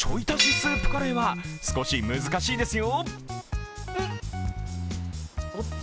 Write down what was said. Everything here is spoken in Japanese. スープカレーは少し難しいですよ。